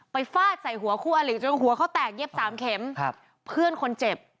ฟาดใส่หัวคู่อลิจนหัวเขาแตกเย็บสามเข็มครับเพื่อนคนเจ็บ